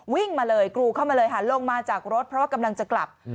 วิ่งมาเลยกรูเข้ามาเลยค่ะลงมาจากรถเพราะว่ากำลังจะกลับ